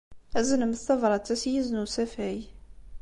Aznemt tabṛat-a s yizen n usafag.